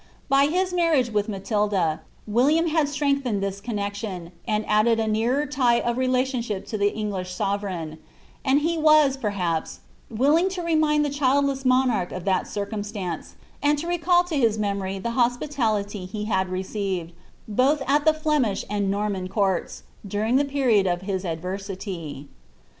By his marriage with Matilda, William had strength ened this connexion, and added a nearer tie of relationship to the English sovereign ; and he was, perhaps, willing to remind the childless monarch of that circumstance ; and to recall to his memory the hospitality he had received, both at the Flemish and the Norman courts, during tlie period of his advenity.'